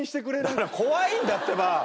だから怖いんだってば！